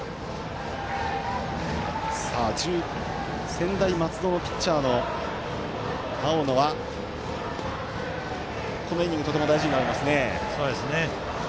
専大松戸のピッチャーの青野はこのイニングとても大事になりますね。